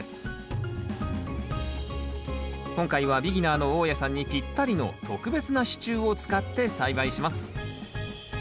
今回はビギナーの大家さんにぴったりの特別な支柱を使って栽培します